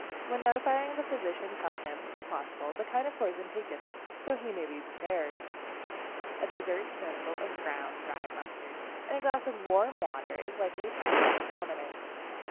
When notifying the physician tell him, if possible, the kind of poison taken, so he may be prepared. A dessert spoonful of ground dry mustard in a glass of warm water is likely to produce vomiting.